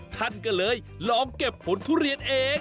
ท่านก็เลยลองเก็บผลทุเรียนเอง